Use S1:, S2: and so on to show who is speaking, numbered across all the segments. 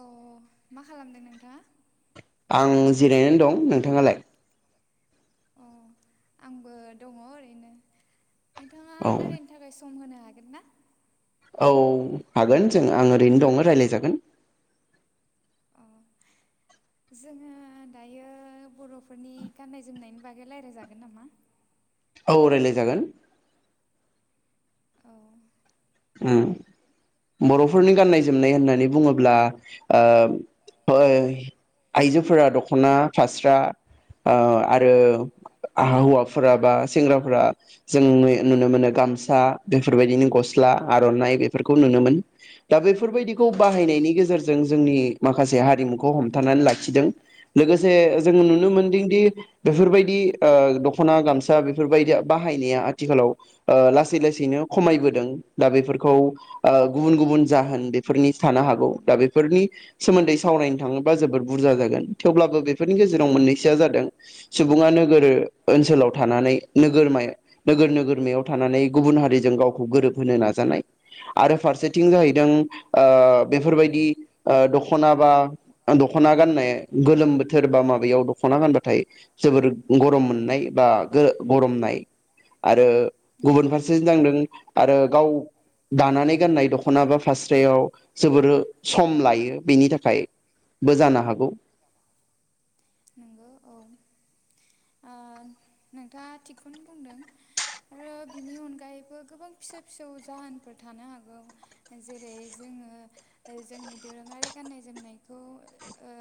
S1: अ मा खालामदों नोंथाङा?
S2: आं जिरायनानै दं नोंथाङालाय?
S1: अ आंबो दङ ओरैनो। नोंथाङा रायलायनो थाखाय सम होनो हागोनना?
S2: औ हागोन जों आं ओरैनो दङ रायलायजागोन।
S1: अ जोङो दायो बरफोरनि गाननाय जोमनायनि बागै रायलायजागोन नामा?
S2: औ रायलाय जागोन।
S1: औ
S2: उम बर'फोरनि गाननाय जोमनाय होननानै बुङोब्ला ओ उ आइजोफोरा दखना फास्रा ओ आरो हौवाफोरा बा सेंग्राफोरा जोंङो नुनो मोनो गामसा बेफोरबायदिनि ग स्ला आरनाइ बेफोरखौ नुनो मोन। दा बेफोरबायदिखौ बाहायनायनि गेजेरजों जों जोंनि माखासे हारिमुखौ हमथानानै लाखिदों लोगो जे जोङो नुनो मोनदों दि बेफोरबायदि ओ दखना गाम सा बेफोरबायदिया बाहायनाया आथिखालाव ओ लासै लासैनो खमायबोदों। दा बेफोरखौ ओ गुबुन गुबुन जाहोन बेफोरनि थानो हागौ दा बेफोरनि सोमोन्दै सावरायनो थाङोबा जोबोद बुरजा जागोन थेवब्लाबो बेफोरनि गेजेराव मोननैसोआ जादों सुबुङा नोगोर ओनसोलाव थानानै नोगोरमा नोगोर नोगोरमायाव थानानै गुबुन हारिजों गावखौ गोरोब होनो नाजानाय आरो फारसेथिं जाहैदों ओ बेफोरबायदि ओ दख'ना बा दख'ना गाननाय गोलोम बोथोर बा माबायाव दख'ना गानबाथाय जोबोर गरम मोननाय बा गरमनाय आरो गुबुन फारसे जादों आरो गाव दानानै गाननाय दख'ना बा फास्रायाव जोबोर सम लायो। बेनि थाखायबो बो जानो हागौ।
S1: ओ नोंथाङा थिगखौनो बुंदों आरो बिनि अनगायैबो गोबां फिसा फिसौ जाहोनफोर थानो हागौ जेरै जोङो जोंनि दोरोङारि। गाननाय जोमनायखौ ओ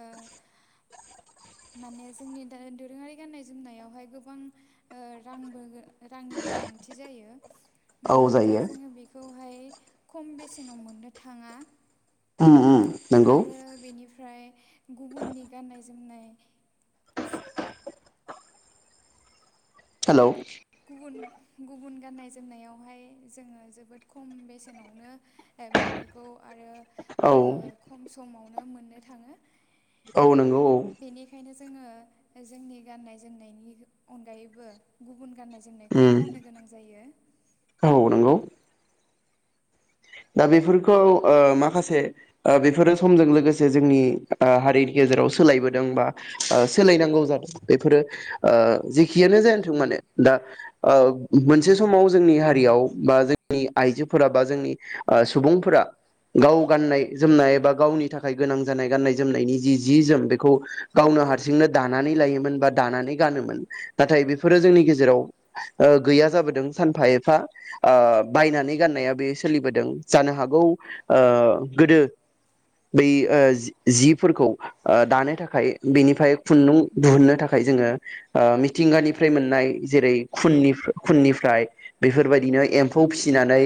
S1: माने जोंनि दोरोङारि गाननाय जोमनायावहाय गोबां ओ रांबो रांनिबो गोनांथि जायो। मानो होनबा जोङो बेखौहाय खम बेसेनाव मोननो थाङा।
S2: उम उम।
S1: आरो बेनिफ्राय गुबुननि गाननाय जोमनाय
S2: हेलौ।
S1: गुबुन गुबुन गाननाय जोमनायावहाय जोङो जोबोद खम बेसेनावनो बेफोरखौ आरो ओ खम समाव नो मोननो थाङो।
S2: औ नों
S1: बेनिखायनो जोङो जोंनि गाननाय जोमनायनि अनगायैबो गुबुन गाननाय जोमनायखौबो गाननो गोनां जायो।
S2: दा बेफोरखौ ओ माखास से ओ बेफोरो समजों लोगोसे जोंनि आ हारिनि गेजेराव सोलायबोदों बा ओ सोलायनांगौ जादों बेफोरो ओ जेखियानो जायाथों मानो दा ओ मोनसे समाव जोंनि हारियाव बा जोंनि आइजोफोरा बा जोंनि ओ सुबुंफोरा गाव गाननाय जोमनाय एबा गावनि थाखाय गोनां जानाय गाननाय जोमनायनि जि जि जोम बेखौ गावनो हारसिंनो दानानै लायोमोन बा दानानै गानोमोन। नाथाय बेफोरो जोंनि गेजेराव ओ गैया जाबोदों सानफा एफा ओ बायनानै गाननाया बे सोलिबोदों। जानो हागौ ओ गोदो बै ओ जि जिफोरखौ ओ दानो थाखाय बेनिफ्राय खुन्दुं दिहुननो थाखाय जोङो ओ मिथिंगानिफ्राय मोननाय जेरै खुननिफ खुननिफ्राय बेफोरबायदिनो एम्फौ फिसिनानै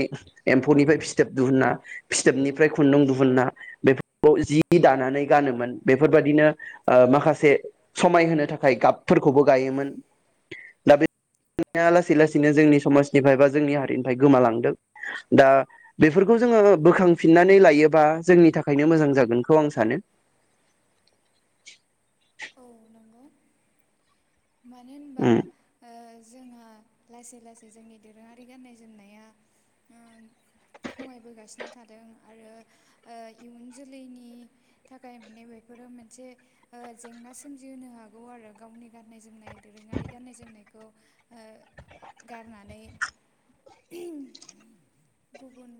S2: एम्फौनिफ्राय फिथोब दिहुना फिथोबनिफ्राय खुन्दुं दिुहुनना बेफोरखौ जि दानानै गानोमोन। बेफोरबायदिनो ओ माखासे समायहोनो थाखाय गाबफोरखौबो गायोमोन। दा बे [unintelligible] लासै लासैनो जोंनि समाजनिफ्राय बा जोंनि हारिनिफ्राय गोमालांदों। दा बेफोरखौ जोङो बोखांफिननानै लायोबा जोंनि थाखायनो मोजां जागोनखौ आं सानो।
S1: मानो होनबा ओ जोंहा लासै लासै जोंनि दोरोङारि गाननाय जोमनाया ओ खमायबोगासिनो थादों आरो ओ इयुन जोलैनि थाखाय माने बेफोरो मोनसे ओ जेंना सोमजिहोनो हागौ आरो गावनि गाननाय जोमनाय दोरोङारि गाननाय जोमनायखौ ओ गारनानै गुबुन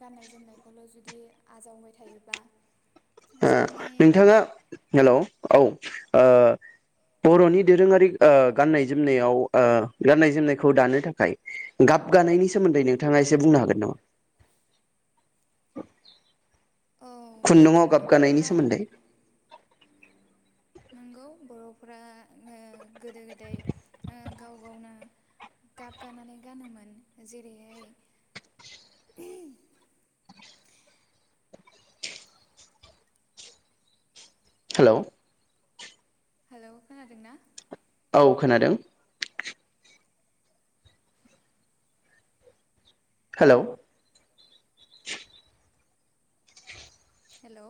S1: गाननाय जोमनाय खौल' जुदि आजावबाय थायोबा
S2: ओ नोंथाङा हेलौ औ ओ बर'नि दोरोङारि ओ गाननाय जोमनायाव ओ गाननाय जोमनायखौ दानो थाखाय गाब गानायनि सोमोन्दै नोंथाङा एसे बुंनो हागोन नामा? खुन्दुङाव गाब गानायनि सोमोन्दै।
S1: नोंगौ बर'फोरा ओ गोदो गोदाय ओ गाव गावनो गाब गानानै गानोमोन। जेरैहाय
S2: हेलौ।
S1: हेलौ खोनादोंं ना?
S2: औ खोनादों। हेलौ।
S1: हेलौ।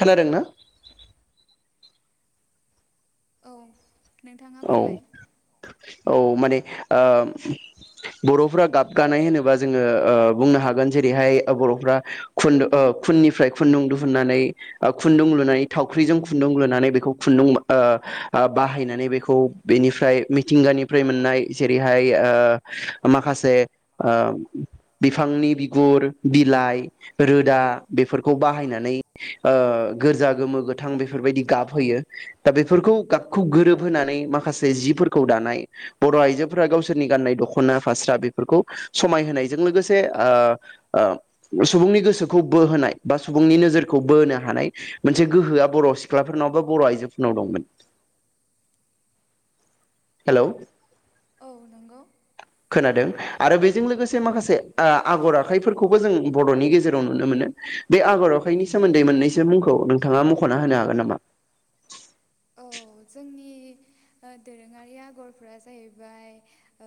S2: खोनादों ना?
S1: औ। नोंथाङा बुंलाय।
S2: औ माने ओ बर'फोरा गाब गानाय होनोबा जोङो ओ बुंनो हागोन। जेरैहाय ओ बर'फ्रा खुुन ओ खुननिफ्राय खुन्दुं दिुहुननानै ओ खुन्दुं लुनाय थावख्रिजों खुन्दुं लुनानै बेखौ खुन्दुं ओ ओ बाहायनानै बेखौ खौ बेनिफ्राय मिथिंगानिफ्राय मोननाय। जेरैहाय ओ माखासे ओ बिफांनि बिगुर, बिलाइ, रोदा बेफोरखौ बाहायनानै ओ गोजा, गोमो, गोथां बेफोरबायदि गाब होयो। दा बेफोरखौ गाबखौ गोरोबहोनानै माखासे जिफोरखौ दानाय बर'आइजोफोरा गावसोरनि गाननाय दखना फास्रा बेफोरखौ समायहोनायजों लोगोसे आ आ सुबुंनि गोसोखौ बोहोनाय बा सुबुंनि नोजोरखौ बोनो हानाय मोनसे गोहोआ बर' सिख्लाफोरनाव बा बर' आइजोफोरनाव दंमोन। हेलौ।
S1: औ नंगौ
S2: खोनादों आरो बे बेजों लोगोसे माखासे आगर आखाइफोरखौ खौबो जों बरनि गेजेराव नुनो मोनो बे आगर अखाइनि सोमोन्दै मोननैसो मुं नोंथाङा मखना होनो हागोन नामा
S1: जोंनि दोरोंङारि आगरफोरा जाहैबाय ओ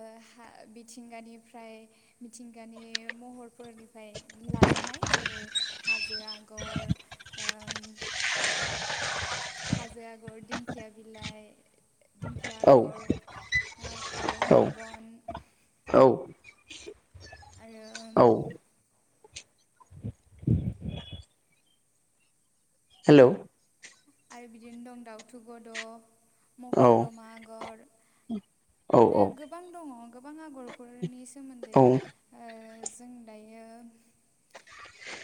S1: मिथिंगानिफ्राय मिथिंगानि महरफोरनिफ्राय लाजानाय जेरै हाजो आगर ओ हाजो आगर दिंखिया बिलाइ दिंखिया आगर फारौ मेगन आरो आरो बिदिनो दं दाउथु गद मकरदमा आगर आरो गोबां दंङ गोबां आगरफोरनि सोमोन्दै जों दायो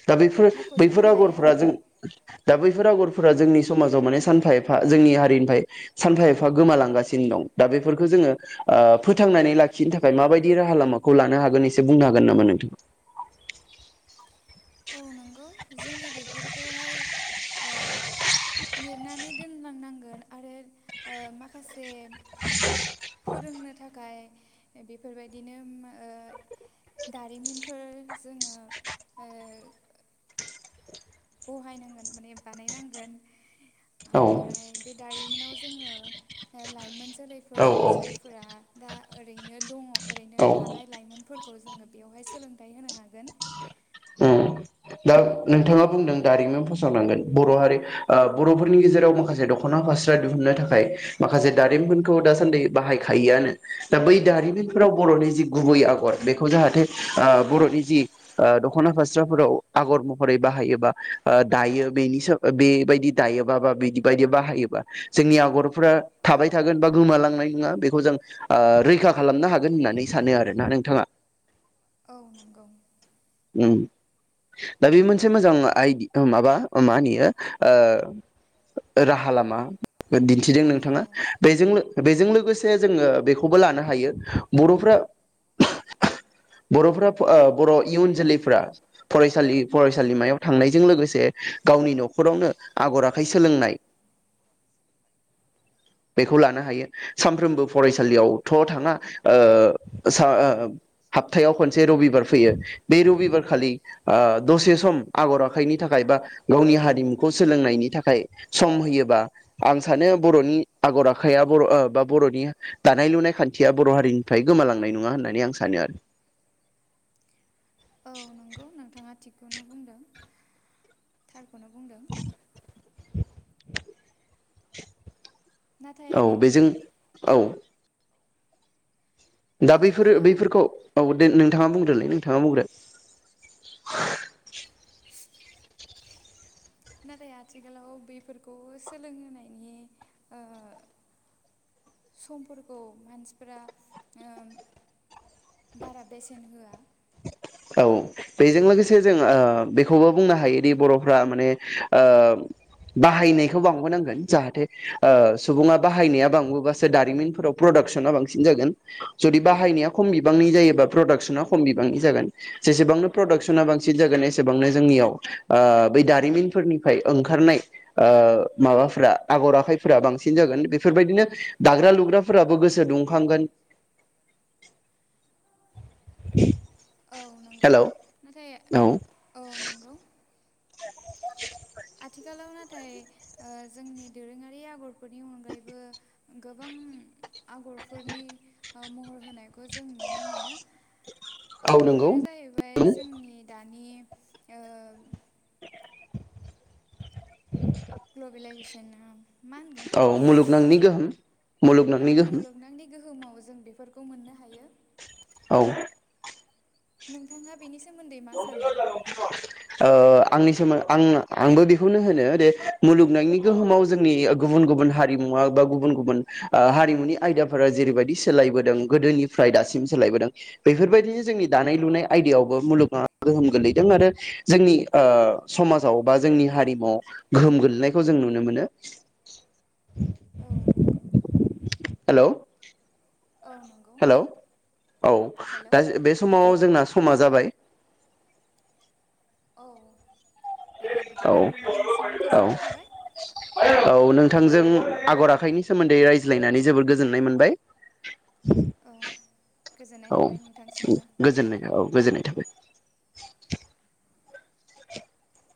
S2: दा बैफोर बैफोर आगरफोरा जों दा बैफोर आगरफोरा जोंनि समाजाव माने सानफा एफा जोंनि हारिनिफ्राय सानफा एफा गोमालांगासिनो दं दा बेफोरखौ जोंङो फोथांनानै लाखिनो थाखाय माबायदि राहा लामाखौ लानो हागोन एसे बुंनो हागोन नामा नोंथाङा
S1: औ नंगौ जोंङो बेफोरखौहाय लिरनानै दोनलांनांगोन आरो माखासे ओ फोरोंनो थाखाय बेफोरबायदिनो दारिमिनफोर जोंङो ओ बहायनांगोन माने बानायनांगोन ओमफ्राय बे दारिमिनाव जोंङो लाइमोन जोलैफोर जायफोरा दा ओरैनो दंङ ओरैनो थानाय लाइमोनफोरखौ जोंङो बेवहाय सोलोंथाइ होनो हागोन
S2: नोंथांङा बुंदों दारिमिन फसंनांगोन बर हारि बरफोरनि गेजेराव माखासे दखना फास्रा दिहुनन्नो थाखाय माखासे दारिमिनखौ दासान्दि बाहायखायोआनो दा बै दारिमिनफोराव बर'नि जि गुबै आगर बेखौ जाहाथे बरनि जि दखना फास्राफोराव आगर मरै बाहायोबा दायो बेनिस बेबायदि दायोबा बा बिदि बायदि बाहायोबा जोंनि आगरफोरा थाबाय थागोन बा गोमालांनाय नंङा बेखौ जों रैखा खालामनो हागोन होननानै सानो आरोोना नोंथाङा दा बे मोनसे मोजां आइदि माबा मा होनयो राहा लामा दिन्थिदों नोंथाङा बेजोंनो बेजों लोगोसे जोंङो बेखौबो लानो हायो बरफ्रा बरफ बर इयुन जोलैफ फरायसा फरायसालिमायाव थांनायजों लोगोसे गावनि नखरावनो आगर आखाइ सोलोंनाय बेखौ लानो हायो सानफ्रोमबो फरायसालियावथ' थानङा स ओ हपथायाव खनसे रबिबार फैयो बे रबिबारखालि ओ दसे सम आगर आखाइनि थाखाय बा गावनि हारिमुखौ सोलोंनायनि थाखाय सम होयोबा आं सानो बर'नि आगर आखाइाया बर बा बरनि दानाय लुनाय खान्थिया बर' हारिनिफ्राय गोमालांनाय नंङा होननानै आं सानो आरो
S1: नो बुंदों [inaudible]
S2: [unintelligible]
S1: नाथाय
S2: औ दा बैफोरो बैफोरखौ औ दे नों नोंथांङा बुंग्रोलै नोंथाङा बुंग्रो
S1: नाथाय आथिखालाव बेफोरखौ सोलोंहोनायनि ओ समफोरखौ मानसिफोरा बारा बेसेन होआ
S2: औ बेजों लोगोसे जों बेखौबो बुंनो हायोदि बरफ्रा माने बाहायनायखौ बांबोनांगोन जाहाथे सुबुङा बाहायनाया बांबोबासो दारिमिनफोराव प्रडाक्सना बांसिन जागोन जुदि बाहायनाया खम बिबांनि जायोबा प्रडाक्सना खम बिबांनि जागोन जेसेबांनो प्रडाक्सना बांसिन जागोन एसेबांनो जोंनियाव बै दारिमिनफोरनिफ्राय ओंखारनाय माबाफोरा आगर आखाइफोरा बांसिन जागोन बेफोरबायदिनो दाग्रा लुग्राफोराबो गोसो दुंखांगोन
S1: औ नंगौ नाथाय औ नंगौ आथिखाालाव ना नाथाय जोंनि दोरोंङारि आगरफोरनि अनगायैबो गोबां आगरफोरनि महर होनायखौ जों नुनो मोनो बेफोरो जाहैबाय जोंनि दानि आ ग्लबलायजेसन
S2: औ मुलुगनांनि गोहोम मुलुगनांनि गोहोम
S1: बुहोमाव जों बेफोरखौ मोननो हायो
S2: औ
S1: नोंथाङा
S2: [unintelligible] ओ आंनि सोमोन्दै आं आंबो बेखौनो होनो दे मुलुगनानायनि गोहोमाव जोंनि गुबुन गुबुन हारिमुवा बा गुबुन गुबुन ओ हारिमुनि आयदाफोरा जेरैबायदि सोलायबोदों गोदोनिफ्राय दासिम सोलायबोदों बेफोरबायदिनो जोंनि दानाय लुनाय आयदायावबो मुलुग आं गोहोम गोलैदों आरो जोंनि ओ समाजाव बा जोंनि हारिमुआव गोहोम गोलैनायखौ जों नुनो मोनो
S1: औ नंगौ
S2: हेल' हेल' औ दा बे समाव जोंना मा जाबाय
S1: औ
S2: औ औ औ नों थांजों आगर आखाइनि सोमोन्दै रायज्लायनानै जोबोद गोजोननाय मोनबाय औ गोजोननाय औ गोजोननाय [unintelligible]